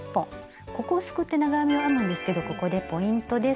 ここをすくって長編みを編むんですけどここでポイントです。